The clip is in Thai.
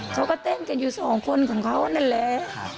เขาก็เต้นกันอยู่สองคนของเขานั่นแหละ